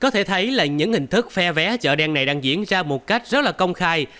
có thể thấy là những hình thức phe vé chợ đen này đang diễn ra một cách rất là công khai